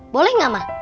boleh nggak mah